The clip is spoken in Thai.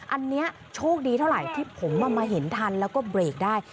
อันนี้โชคดีเท่าไหร่ที่ผมมาเห็นทันแล้วก็เบรกได้